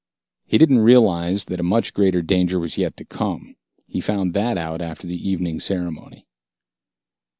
He didn't realize that a much greater danger was yet to come. He found that out after the evening ceremony.